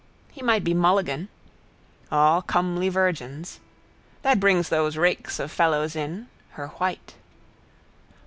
He might be Mulligan. All comely virgins. That brings those rakes of fellows in: her white.